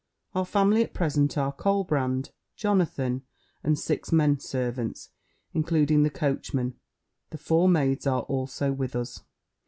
Our family at present are Colbrand, Jonathan, and six men servants, including the coachman. The four maids are also with us.